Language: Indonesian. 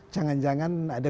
jangan jangan ada benda